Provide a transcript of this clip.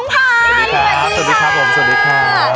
สวัสดีค่ะสวัสดีค่ะผมสวัสดีค่ะ